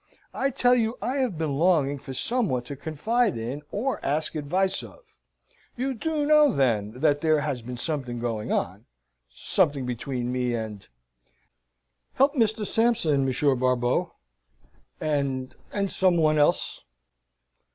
I tell you I have been longing for some one to confide in, or ask advice of. You do know, then, that there has been something going on something between me and help Mr. Sampson, Monsieur Barbeau and and some one else?"